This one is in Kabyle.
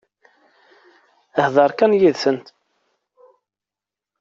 Hḍeṛ kan yid-sent.